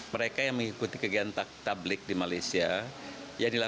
mereka yang mengikuti kegiatan tablik di malaysia